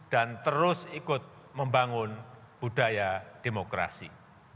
terus ikut membangun budaya demokrasi